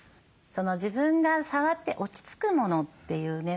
自分が触って落ち着くものっていうね